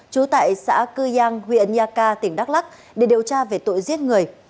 trú tại xã cư giang huyện nha ca tỉnh đắk lắc để điều tra về tội giết người